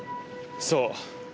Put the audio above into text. そう。